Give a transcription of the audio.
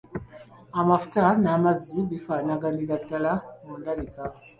Amafuta n’amazzi bifaanaganira ddala mu ndabika.